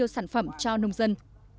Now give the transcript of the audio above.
sản phẩm cho nông dân